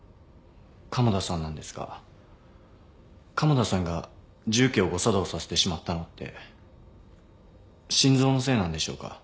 鴨田さんなんですが鴨田さんが重機を誤作動させてしまったのって心臓のせいなんでしょうか？